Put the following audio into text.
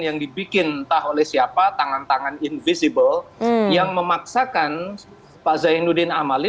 yang dibikin entah oleh siapa tangan tangan invisible yang memaksakan pak zainuddin amali